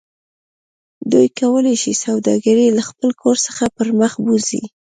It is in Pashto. دوی کولی شي سوداګرۍ له خپل کور څخه پرمخ بوځي